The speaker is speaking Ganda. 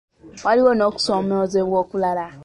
Waaliwo n’okusoomoozebwa okulala.